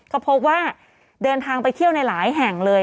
ก็พบว่าเดินทางไปเที่ยวในหลายแห่งเลย